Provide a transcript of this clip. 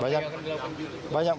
banyak cara banyak cara